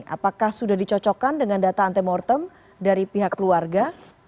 apakah sudah dicocokkan dengan data antemortem dari pihak keluarga